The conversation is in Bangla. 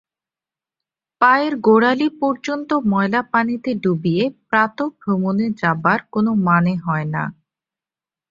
পায়ের গােড়ালি পর্যন্ত ময়লা পানিতে ডুবিয়ে প্রাতঃভ্রমণে যাবার কোনো মনে হয় না।